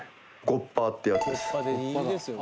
ゴッパーってやつです。